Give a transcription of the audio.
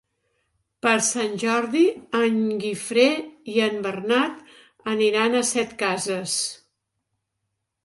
Per Sant Jordi en Guifré i en Bernat aniran a Setcases.